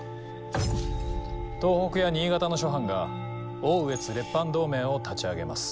東北や新潟の諸藩が奥羽越列藩同盟を立ち上げます。